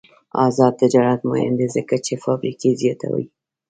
آزاد تجارت مهم دی ځکه چې فابریکې زیاتوي.